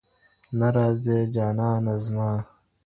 نه راځي جانه زما